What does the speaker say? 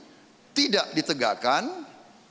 tetapi tetap political will untuk menghilangkan korupsi itu